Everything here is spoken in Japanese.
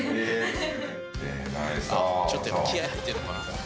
ちょっとやっぱ気合入ってるのかな？